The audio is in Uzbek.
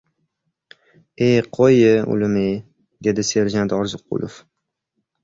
— E, qo‘y-ye, ulim-ye! — dedi serjant Orziqulov.